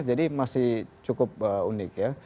jadi masih cukup unik ya